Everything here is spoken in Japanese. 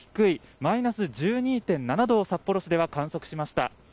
今シーズン最も低いマイナス１２．７度を札幌市では観測しました。